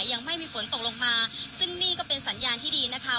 ยังไม่มีฝนตกลงมาซึ่งนี่ก็เป็นสัญญาณที่ดีนะคะ